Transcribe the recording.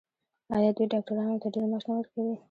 آیا دوی ډاکټرانو ته ډیر معاش نه ورکوي؟